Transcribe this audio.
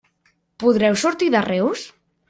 Podreu sortir de Reus?